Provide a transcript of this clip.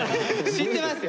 知ってますよ。